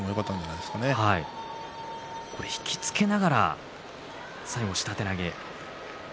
引き付けながら最後、下手投げです。